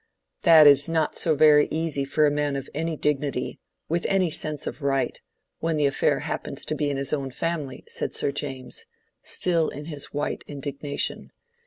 "That is not so very easy for a man of any dignity—with any sense of right—when the affair happens to be in his own family," said Sir James, still in his white indignation.